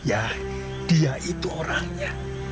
ya dia itu orangnya